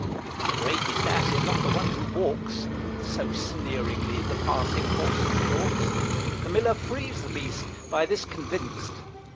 'The greatest ass is not the one who walks,' So sneeringly the passing horseman talks. The Miller frees the beast, by this convinced.